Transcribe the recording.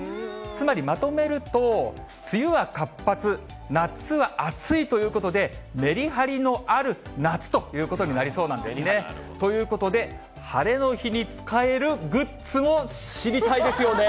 つまりまとめると、梅雨は活発、夏は暑いということで、メリハリのある夏ということになりそうなんですね。ということで、晴れの日に使えるグッズも知りたいですよね。